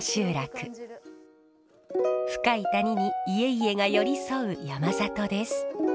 深い谷に家々が寄り添う山里です。